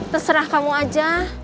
terserah kamu aja